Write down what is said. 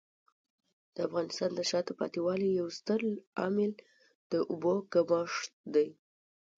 د افغانستان د شاته پاتې والي یو ستر عامل د اوبو کمښت دی.